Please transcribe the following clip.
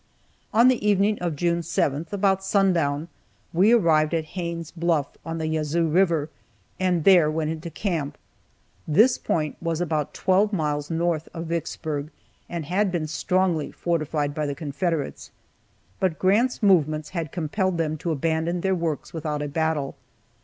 On the evening of June 7th, about sundown, we arrived at Haines' Bluff on the Yazoo river, and there went into camp. This point was about twelve miles north of Vicksburg, and had been strongly fortified by the Confederates, but Grant's movements had compelled them to abandon their works without a battle.